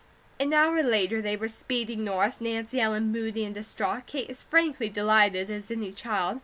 An hour later they were speeding north, Nancy Ellen moody and distraught, Kate as frankly delighted as any child.